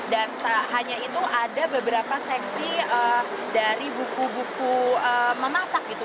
dan hanya itu ada beberapa seksi dari buku buku memasak gitu